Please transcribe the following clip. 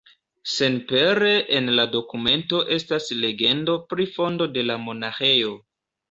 Senpere en la dokumento estas legendo pri fondo de la monaĥejo.